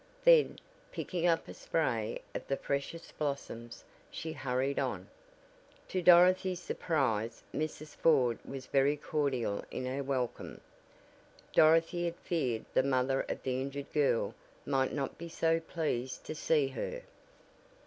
Then, picking up a spray of the freshest blossoms, she hurried on. To Dorothy's surprise Mrs. Ford was very cordial in her welcome. Dorothy had feared the mother of the injured girl might not be so pleased to see her.